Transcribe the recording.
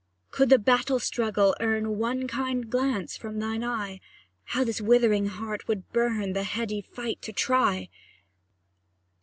Could the battle struggle earn One kind glance from thine eye, How this withering heart would burn, The heady fight to try!